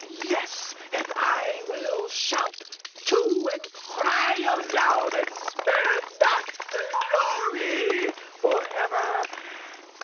Yes! and I will shout, too! and cry aloud, and spare not glory! for ever!